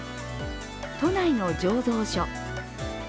都内の醸造所。